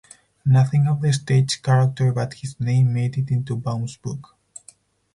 Nothing of the stage character but his name made it into Baum's books.